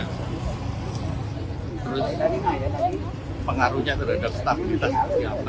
serut pengaruhnya terhadap stabilitas